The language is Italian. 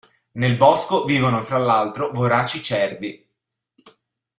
Nel bosco vivono fra l'altro voraci cervi.